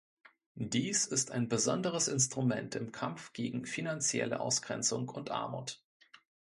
Dies ist ein besonderes Instrument im Kampf gegen finanzielle Ausgrenzung und Armut.